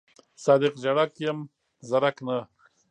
صادق ژړک یم زرک نه.